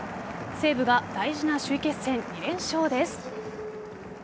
西武が大事な首位決戦２連勝です。